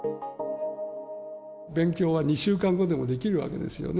勉強は２週間後でもできるわけですよね。